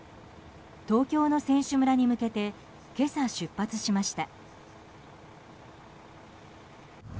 東京の選手村に向けて今朝、出発しました。